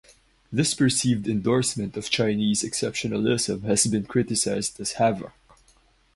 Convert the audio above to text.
This perceived endorsement of Chinese exceptionalism has been criticized as havoc.